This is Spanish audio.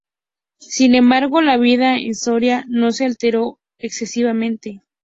Sin embargo, la vida en Soria no se alteró excesivamente.